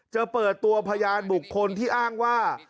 จะเปิดตัวพยานบุคคลที่อ้างว่า